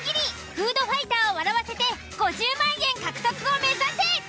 フードファイターを笑わせて５０万円獲得を目指せ！